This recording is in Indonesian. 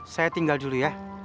saya tinggal dulu ya